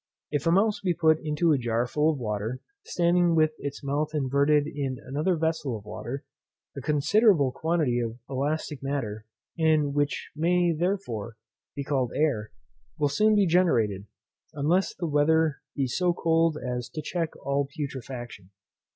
If a mouse be put into a jar full of water, standing with its mouth inverted in another vessel of water, a considerable quantity of elastic matter (and which may, therefore, be called air) will soon be generated, unless the weather be so cold as to check all putrefaction.